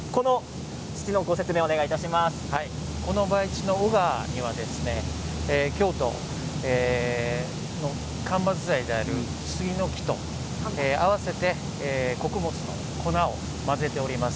この培地は京都の間伐材である杉の木と合わせて穀物の粉を混ぜております。